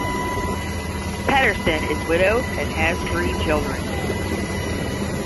Pedersen is widowed and has three children.